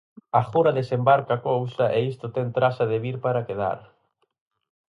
Agora desembarca a couza e isto ten traza de vir para quedar.